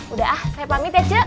udah ah saya pamit ya je